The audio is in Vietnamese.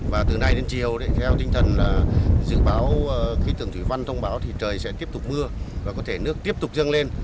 và từ nay đến chiều theo tinh thần là dự báo khí tượng thủy văn thông báo thì trời sẽ tiếp tục mưa và có thể nước tiếp tục dâng lên